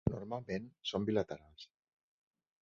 Normalment són bilaterals.